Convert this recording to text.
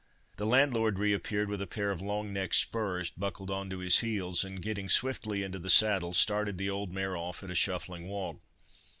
The landlord reappeared with a pair of long necked spurs buckled on to his heels, and getting swiftly into the saddle, started the old mare off at a shuffling walk.